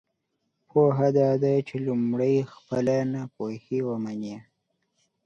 پوهه دا ده چې لمړی خپله ناپوهۍ ومنی!